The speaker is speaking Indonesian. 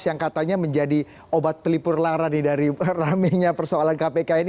yang katanya menjadi obat pelipur lara dari ramenya persoalan kpk ini